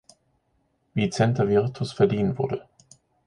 Vicenza Virtus verliehen wurde.